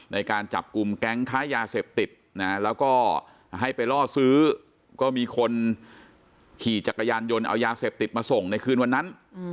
ในการจับกลุ่มแก๊งค้ายาเสพติดนะแล้วก็ให้ไปล่อซื้อก็มีคนขี่จักรยานยนต์เอายาเสพติดมาส่งในคืนวันนั้น